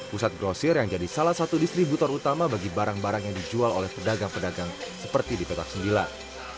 pusat grosir yang jadi salah satu distributor utama bagi barang barang yang dijual oleh pedagang pedagang seperti di petak sembilan